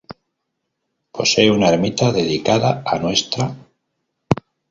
Posee una ermita dedicada a Ntra.